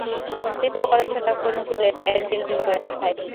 তিনি পড়াশোনা করেছিলেন এডিন রয়েল হাই স্কুলে।